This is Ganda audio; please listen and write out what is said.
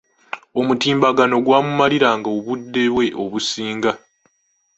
Omutimbagano gwamumaliranga obudde bwe obusinga.